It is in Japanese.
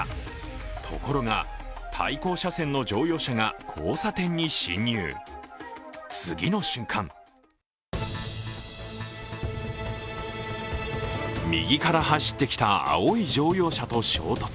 ところが対向車線の乗用車が交差点に進入、次の瞬間右から走ってきた青い乗用車と衝突。